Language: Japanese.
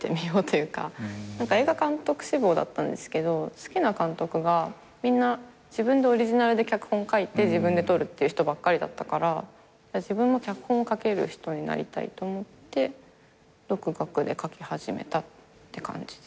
映画監督志望だったんですけど好きな監督がみんな自分でオリジナルで脚本書いて自分で撮るっていう人ばっかりだったから自分も脚本書ける人になりたいと思って独学で書き始めたって感じで。